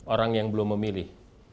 orang yang belum memilih